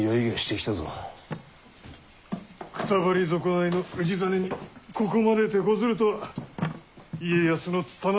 くたばり損ないの氏真にここまでてこずるとは家康の拙さたるや。